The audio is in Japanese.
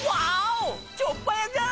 チョッ早じゃん！